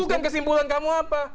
bukan kesimpulan kamu apa